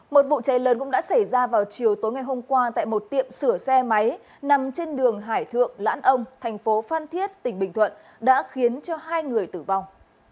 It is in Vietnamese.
một vụ cháy lớn cũng đã xảy ra vào chiều tối ngày hôm qua tại một tiệm sửa xe máy nằm trên đường hải thượng lãn ông thành phố phan thiết tỉnh bình thuận đã khiến cho hai người tử vong